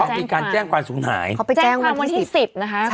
มีการแจ้งความสูญหายเขาไปแจ้งความวันที่สิบนะคะ